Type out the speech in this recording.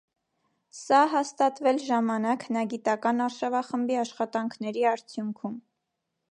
Սա հաստատվել ժամանակ հնագիտական արշավախմբի աշխատանքների արդյունքում։